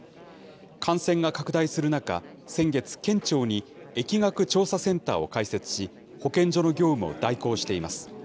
感染が拡大する中、先月、県庁に疫学調査センターを開設し、保健所の業務を代行しています。